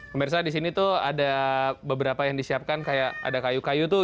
pemirsa di sini tuh ada beberapa yang disiapkan kayak ada kayu kayu tuh